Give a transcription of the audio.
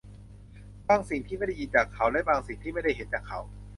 บางสิ่งที่ไม่ได้ยินจากเขา และบางสิ่งที่ไม่ได้เห็นจากเขา